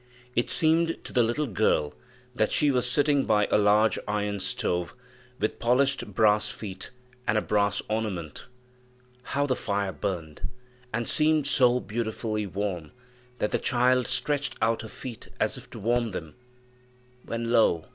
It seemed to the little girl that she was sitting by a large iron stove, with polished brass feet and a brass ornament. How the fire burned! and seemed so beautifully warm that the child stretched out her feet as if to warm them, when, lo!